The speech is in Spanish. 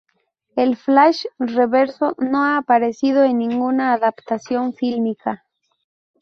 El Flash-Reverso no ha aparecido en ninguna adaptación fílmica.